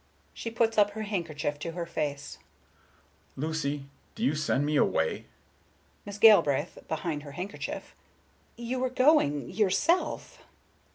She puts up her handkerchief to her face. Mr. Richards: "Lucy, do you send me away?" Miss Galbraith, behind her handkerchief: "You were going, yourself."